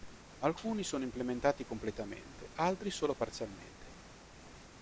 Alcuni sono implementati completamente, altri solo parzialmente.